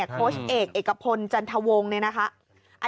โคชเอกเอกพลจันทวงนี่นะคะ